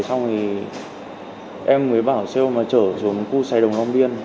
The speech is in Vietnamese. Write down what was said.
xong thì em mới bảo xe hồn mà chở xuống khu xài đồng long biên